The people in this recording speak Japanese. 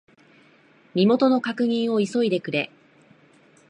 身元の確認を急いでくれ。